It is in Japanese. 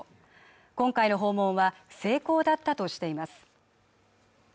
今回の訪問は成功だったとしています